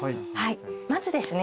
まずですね